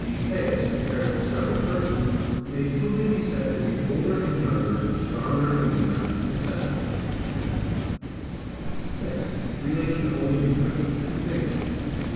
g. Caius, compared to several persons, may truly be said to be older and younger, stronger and weaker, &c. 6. Relation only betwixt two things.